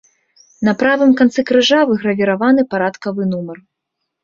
На правым канцы крыжа выгравіраваны парадкавы нумар.